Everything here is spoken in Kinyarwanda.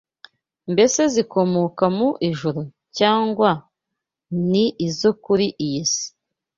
Mbese zikomoka mu ijuru cyangwa ni izo kuri iyi si?